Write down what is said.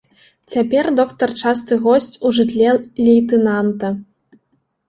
Цяпер доктар часты госць у жытле лейтэнанта.